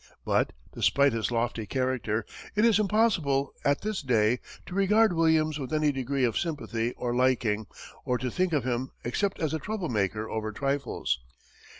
But, despite his lofty character, it is impossible at this day, to regard Williams with any degree of sympathy or liking, or to think of him except as a trouble maker over trifles.